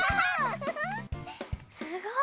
すごい。